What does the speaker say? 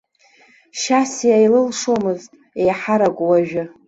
Шьасиа илылшомызт, еиҳарак уажәы.